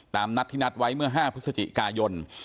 นัดที่นัดไว้เมื่อ๕พฤศจิกายน